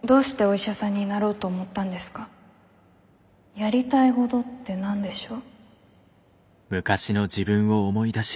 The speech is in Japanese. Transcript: やりたいごどって何でしょう。